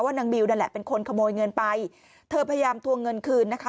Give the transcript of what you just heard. นางบิวนั่นแหละเป็นคนขโมยเงินไปเธอพยายามทวงเงินคืนนะคะ